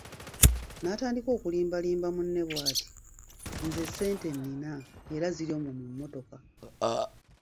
N'atandika okulimbalimba munne bw'ati:"nze ssente nina era ziri omwo mu mmotoka"